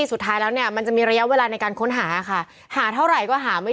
สุดท้ายแล้วเนี่ยมันจะมีระยะเวลาในการค้นหาค่ะหาเท่าไหร่ก็หาไม่